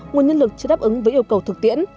nguồn nhân lực chưa đáp ứng với yêu cầu thực tiễn